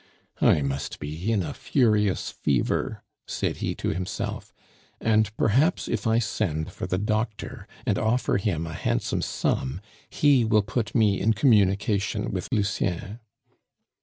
"I must be in a furious fever," said he to himself; "and perhaps if I send for the doctor and offer him a handsome sum, he will put me in communication with Lucien."